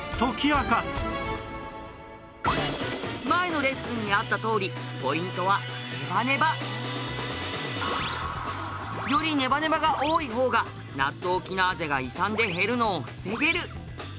前のレッスンにあったとおりよりネバネバが多い方がナットウキナーゼが胃酸で減るのを防げる！